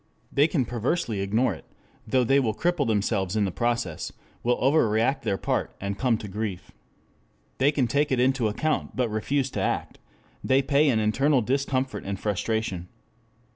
They can perversely ignore it, though they will cripple themselves in the process, will overact their part and come to grief. They can take it into account but refuse to act. They pay in internal discomfort and frustration.